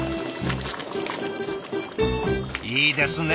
いいですね